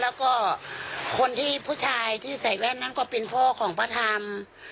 แล้วก็คนที่ผู้ชายที่ใส่แว่นนั้นก็เป็นพ่อของพระธรรม